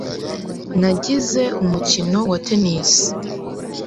Nagize umukino wa tennis.